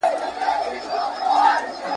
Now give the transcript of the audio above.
په کتاب کي څه راغلي راته وایه ملاجانه ,